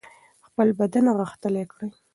خپل بدن غښتلی کړئ.